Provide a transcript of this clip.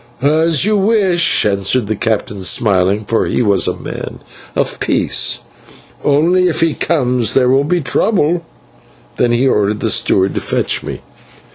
"As you wish," answered the captain, smiling, for he was a man of peace, "only if he comes there will be trouble." And he ordered the steward to fetch me.